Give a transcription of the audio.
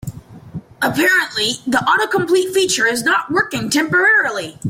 Apparently, the autocomplete feature is not working temporarily.